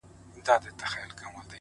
جوړ يمه گودر يم ماځيگر تر ملا تړلى يم ـ